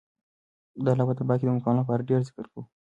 د الله په دربار کې د مقام لپاره ډېر ذکر کوه.